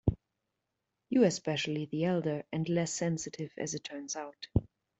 You especially, the elder; and less sensitive, as it turns out.